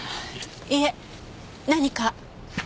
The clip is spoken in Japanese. いえ何か？